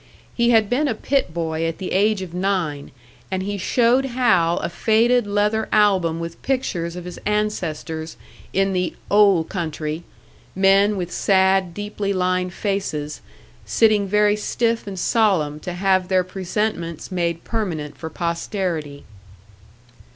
He had been a pit boy at the age of nine, and he showed Hal a faded leather album with pictures of his ancestors in the "oul' country" men with sad, deeply lined faces, sitting very stiff and solemn to have their presentments made permanent for posterity.